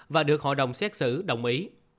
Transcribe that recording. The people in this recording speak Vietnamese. và được hội đồng xét xử đồng ý